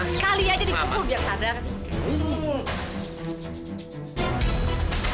sekali aja dipukul biar sadar